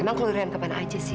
emang keluarin kapan aja sih